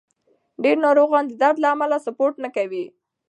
ډېر ناروغان د درد له امله سپورت نه کوي.